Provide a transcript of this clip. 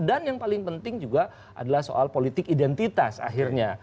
dan yang paling penting juga adalah soal politik identitas akhirnya